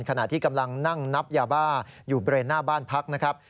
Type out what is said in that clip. ขณะที่กำลังนั่งนับยาบ้าอยู่เบรนหน้าบ้านพักนะครับ